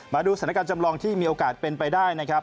มาดูสถานการณ์จำลองที่มีโอกาสเป็นไปได้นะครับ